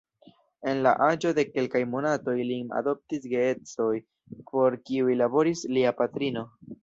En la aĝo de kelkaj monatoj lin adoptis geedzoj, por kiuj laboris lia patrino.